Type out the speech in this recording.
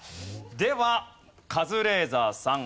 ではカズレーザーさん